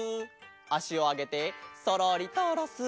あしをあげてそろりとおろす。